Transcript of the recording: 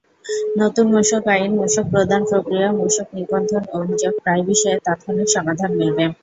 নতুন মূসক আইন, মূসক প্রদান-প্রক্রিয়া, মূসক নিবন্ধন, অভিযোগ—প্রায় বিষয়ে তাৎক্ষণিক সমাধান মিলবে।